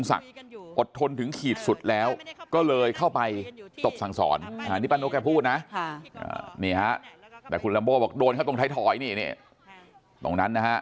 อันนี้ป้านก็แกพูดนะนี่ฮะแต่คุณลำโบบอกโดนเขาตรงไถ้ถอยนี่ตรงนั้นนะฮะ